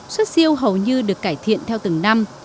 xuất siêu hầu như được cải thiện theo từng năm